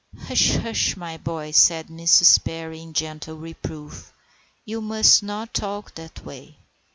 "Hush, hush, my boy," said Mrs. Perry, in gentle reproof. "You must not talk that way.